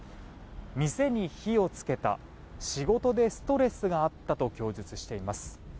店に火を付けた仕事でストレスがあったと供述しています。